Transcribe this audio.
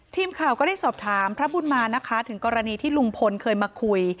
ทีมข่าวก็ได้สอบถามพระบุญมานะคะถึงกรณีที่ลุงพลเคยมาคุย